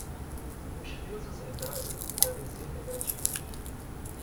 Os pesos em W podem ser negativos.